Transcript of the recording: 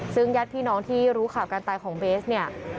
ซึ่งญาติพี่น้องที่รู้ข่าวการตายของเบสเนี่ย